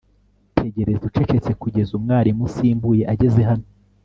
tegereza ucecetse kugeza umwarimu usimbuye ageze hano